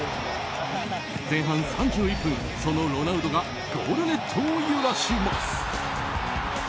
前半３１分、そのロナウドがゴールネットを揺らします。